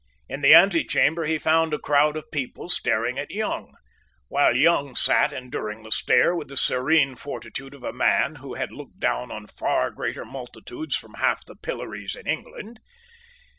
In the antechamber he found a crowd of people staring at Young, while Young sate, enduring the stare with the serene fortitude of a man who had looked down on far greater multitudes from half the pillories in England.